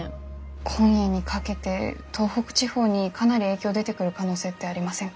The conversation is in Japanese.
今夜にかけて東北地方にかなり影響出てくる可能性ってありませんか？